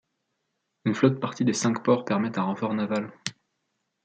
Une flotte partie des Cinq-Ports permet un renfort naval.